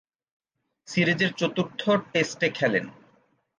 সিরিজের চতুর্থ টেস্টে খেলেন।